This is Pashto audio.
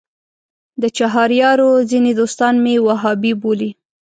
د چهاریارو ځینې دوستان مې وهابي بولي.